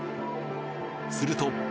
すると。